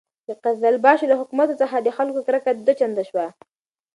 د قزلباشو له حکومت څخه د خلکو کرکه دوه چنده شوه.